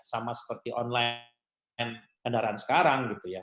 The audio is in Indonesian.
sama seperti online kendaraan sekarang gitu ya